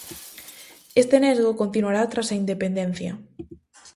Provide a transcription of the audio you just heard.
Este nesgo continuará tras a independencia.